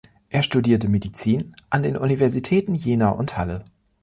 Er studierte Medizin an den Universitäten Jena und Halle.